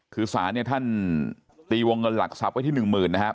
คือสารท่านตีวงเงินหลักทรัพย์ไว้ที่๑๐๐๐๐นะครับ